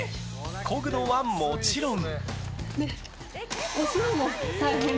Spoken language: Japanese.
こぐのはもちろん。